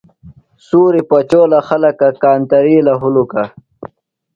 سُوری پچولہ خلکہ، کانترِیلہ ہُلُکہ